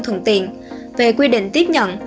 thuận tiện về quy định tiếp nhận